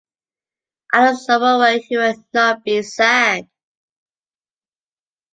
I know someone well who will not be sad.